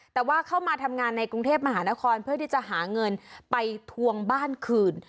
แต่ว่าเข้ามาทำงานในกรุงเทพมหานครเพื่อที่จะหาเงินไปทวงบ้านคืน